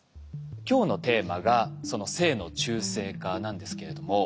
今日のテーマが性の中性化なんですけれども。